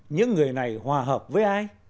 những người này hòa hợp với ai